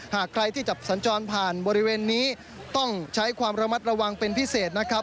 หากใครที่จับสัญจรผ่านบริเวณนี้ต้องใช้ความระมัดระวังเป็นพิเศษนะครับ